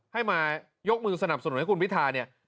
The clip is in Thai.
ให้มายกมือสนับสนุนให้คุณพิธาเนี่ย